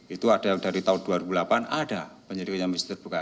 itu ada yang dari tahun dua ribu delapan ada penyelidikannya masih terbuka